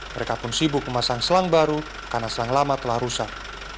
mereka pun sibuk memasang selang baru karena selang lama telah rusak